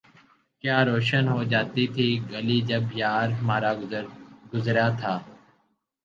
کیا روشن ہو جاتی تھی گلی جب یار ہمارا گزرے تھا